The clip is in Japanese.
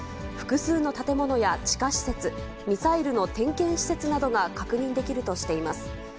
複数の建物や地下施設、ミサイルの点検施設などが確認できるとしています。